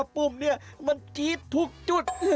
ลูกของป้าปุ้มเนี่ยมันจี๊ดทุกจุด